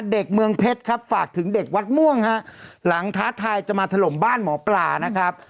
เด็กเมืองเพชรครับฝากถึงเด็กวัดม่วงฮะหลังท้าทายจะมาถล่มบ้านหมอปลานะครับ